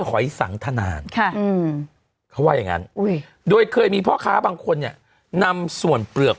หอยสังทนานเขาว่าอย่างงั้นโดยเคยมีพ่อค้าบางคนเนี่ยนำส่วนเปลือก